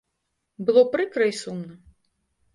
Было прыкра й сумна.